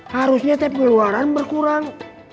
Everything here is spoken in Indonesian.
harusnya tepung keluaran berkurang